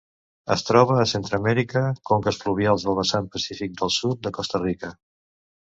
Es troba a Centreamèrica: conques fluvials del vessant pacífic del sud de Costa Rica.